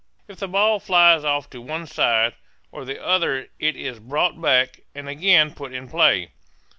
If the ball flies off to one side or the other it is brought back, and again put in play.